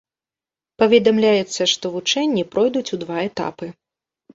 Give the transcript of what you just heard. Паведамляецца, што вучэнні пройдуць у два этапы.